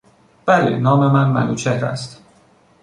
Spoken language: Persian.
بله، نام من منوچهر است.